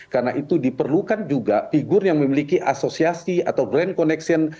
karena itu diperlukan juga figur yang memiliki asosiasi atau brand connection